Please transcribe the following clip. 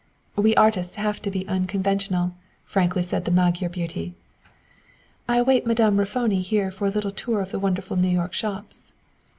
"We artists have to be unconventional," frankly said the Magyar beauty. "I await Madame Raffoni here for a little tour of the wonderful New York shops."